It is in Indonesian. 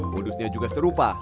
modusnya juga serupa